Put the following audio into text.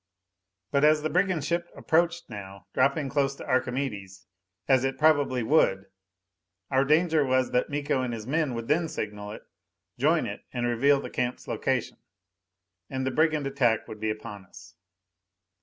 But as the brigand ship approached now dropping close to Archimedes as it probably would our danger was that Miko and his men would then signal it, join it, and reveal the camp's location. And the brigand attack would be upon us!